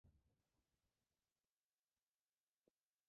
Niso xola ko‘zimga tikilib ohista so‘radi: